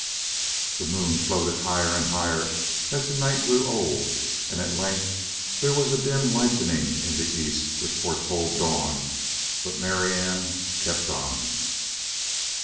The moon floated higher and higher as the night grew old and at length there was a dim lightening in the east which foretold dawn, but Marianne kept on.